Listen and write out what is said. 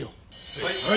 はい！